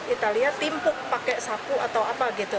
italia timpuk pakai sapu atau apa gitu